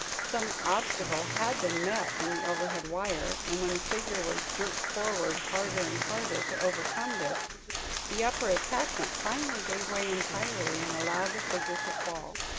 Some obstacle had been met in the overhead wire; and when the figure was jerked forward, harder and harder, to overcome this, the upper attachment finally gave way entirely and allowed the figure to fall.